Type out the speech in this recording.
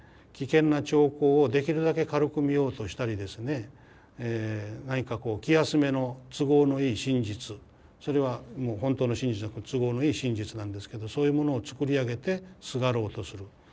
危険な兆候をできるだけ軽く見ようとしたりですね何かこう気休めの都合のいい真実それは本当の真実じゃなく都合のいい真実なんですけどそういうものを作り上げてすがろうとする。